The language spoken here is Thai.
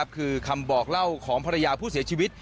คือคำบอกเล่าของภรรยาผู้เสียชีวิต